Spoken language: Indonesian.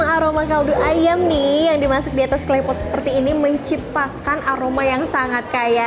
aroma kaldu ayam nih yang dimasak di atas klepot seperti ini menciptakan aroma yang sangat kaya